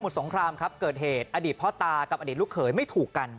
สงครามครับเกิดเหตุอดีตพ่อตากับอดีตลูกเขยไม่ถูกกัน